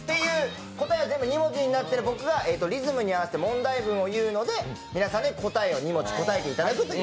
答えは全部２文字になっていて、僕が問題文を言うので皆さんで答えを２文字答えていただくっていう。